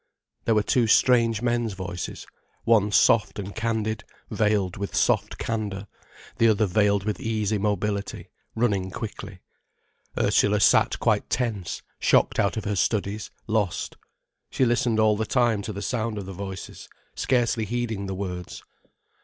There were two strange men's voices, one soft and candid, veiled with soft candour, the other veiled with easy mobility, running quickly. Ursula sat quite tense, shocked out of her studies, lost. She listened all the time to the sound of the voices, scarcely heeding the words.